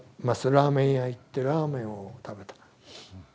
ラーメン屋行ってラーメンを食べた。